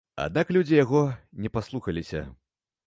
Аднак людзі яго не паслухаліся.